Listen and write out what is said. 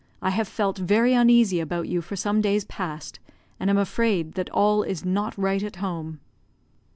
I have felt very uneasy about you for some days past, and am afraid that all is not right at home."